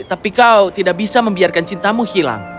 tapi kau tidak bisa membiarkan cintamu hilang